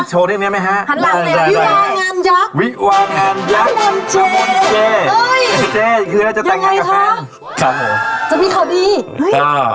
เห็นว่าอะไรของพี่เค้า